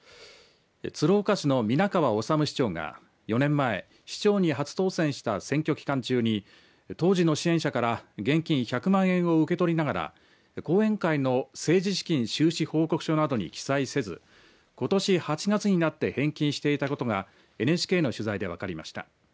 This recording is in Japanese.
鶴岡市の皆川治市長が４年前、市長に初当選した選挙期間中に当時の支援者から現金１００万円を受け取りながら後援会の政治資金収支報告書などに記載せずことし８月になって返金していたことがＮＨＫの取材で分かりました。